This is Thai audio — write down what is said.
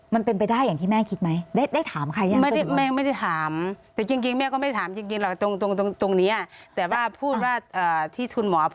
มันเป็นไปได้อย่างที่แม่คิดไหม